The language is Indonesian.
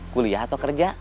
guliah atau kerja